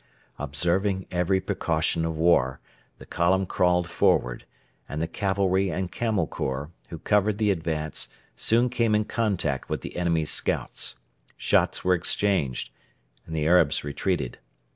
Observing every precaution of war, the column crawled forward, and the cavalry and Camel Corps, who covered the advance, soon came in contact with the enemy's scouts. Shots were exchanged and the Arabs retreated.